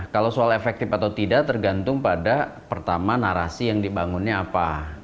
kalau soal efektif atau tidak tergantung pada pertama narasi yang dibangunnya apa